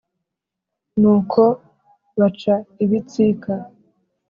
Nuko baca ibitsika